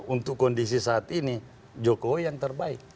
untuk kondisi saat ini jokowi yang terbaik